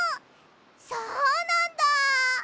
そうなんだ！